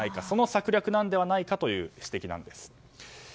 その策略なのではないかという指摘なんです。